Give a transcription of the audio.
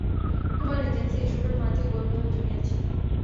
তোমার এজেন্সি এসবের মাঝে গভীর ভাবে জড়িয়েছে।